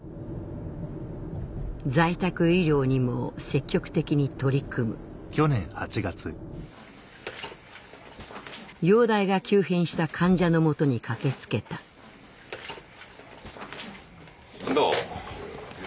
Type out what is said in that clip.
在宅医療にも積極的に取り組む容体が急変した患者の元に駆け付けたどう？